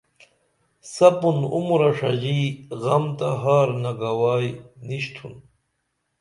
سپُن عمرہ ݜژی غم تہ ہار نگوائی نِشتُھن